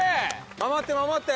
守って守って！